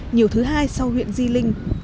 nhiều thứ hai sau huyện di linh